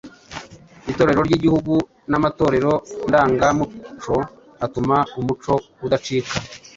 Itorero ry’Igihugu n’amatorero ndangamuco atuma umuco udacika.